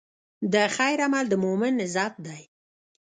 د خیر عمل د مؤمن عزت دی.